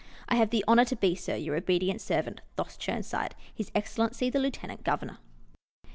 I have the honour to be, Sir, Your obedient servant, THOS. CHIRNSIDE. His Excellency the Lieut. Governor.